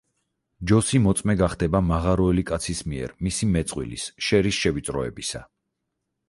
ჯოსი მოწმე გახდება მაღაროელი კაცის მიერ მისი მეწყვილის, შერის შევიწროებისა.